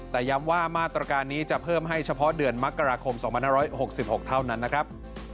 แต่ย้ำว่ามาตรการนี้จะเพิ่มให้เฉพาะเดือนมกราคม๒๕๖๖เท่านั้นนะครับ